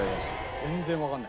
全然わかんない。